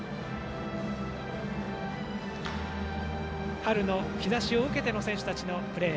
春の日ざしを受けての選手たちのプレー。